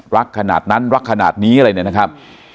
ขนาดนั้นรักขนาดนี้อะไรเนี่ยนะครับ